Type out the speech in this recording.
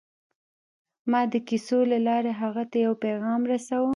ما د کیسو له لارې هغه ته یو پیغام رساوه